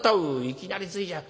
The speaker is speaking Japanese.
いきなりついじゃ。